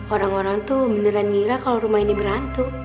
orang orang itu beneran ngira kalau rumah ini berhantu